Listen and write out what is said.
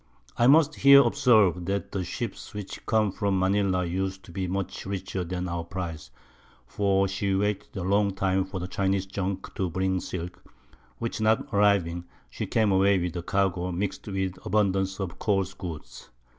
I must here observe, that the Ships which come from Manila use to be much richer than our Prize; for she waited a long time for the Chinese Junks to bring Silk, which not arriving, she came away with a Cargo mix'd with abundance of coarse Goods.